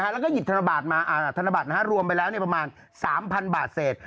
แล้วก็หยิบธนบัตรรวมไปแล้วประมาณ๓๐๐บาทเศษ